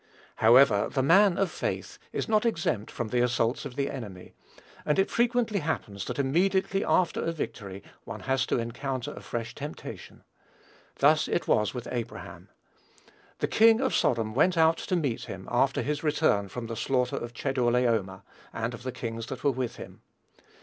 However, the man of faith is not exempt from the assaults of the enemy; and it frequently happens that immediately after a victory one has to encounter a fresh temptation. Thus it was with Abraham. "The king of Sodom went out to meet him, after his return from the slaughter of Chedorlaomer, and of the kings that were with him."